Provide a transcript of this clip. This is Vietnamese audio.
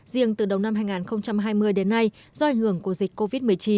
riêng từ đầu năm hai nghìn hai mươi đến nay do ảnh hưởng của dịch covid một mươi chín